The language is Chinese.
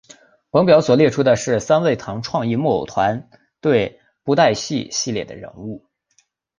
本表所列出的是三昧堂创意木偶团队布袋戏系列的人物。